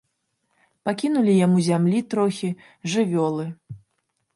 Пакінулі яму зямлі трохі, жывёлы.